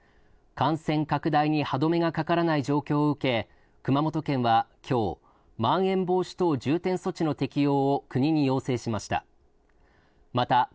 感染拡大に歯止めがかからない状況を受け熊本県はきょうまん延防止等重点措置の適用を国に要請しました